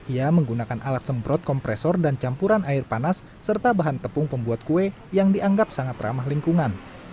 ia menggunakan alat semprot kompresor dan campuran air panas serta bahan tepung pembuat kue yang dianggap sangat ramah lingkungan